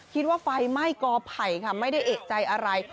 คิดว่าไฟไหม้กอไผ่ค่ะไม่ได้เอกใจอะไร